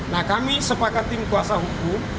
nah kami sepakat tim kuasa hukum